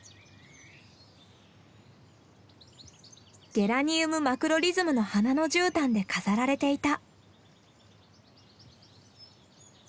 ゲラニウム・マクロリズムの花のじゅうたんで飾られていた。